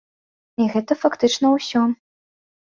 І гэта фактычна ўсё.